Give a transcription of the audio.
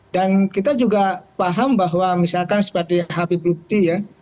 dan kita juga paham bahwa misalkan seperti habib lupti ya